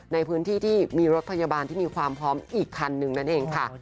ในพื้นที่ที่มีรถพยาบาลที่มีความพร้อมอีกคันหนึ่งนั่นเองค่ะ